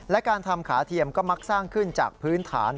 และการทำขาเทียมก็มักสร้างขึ้นจากพื้นฐาน